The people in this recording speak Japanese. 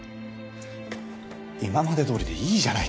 今までどおりでいいじゃないか。